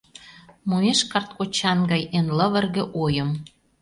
Муэш карт кочан гай эн лывырге ойым.